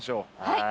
はい。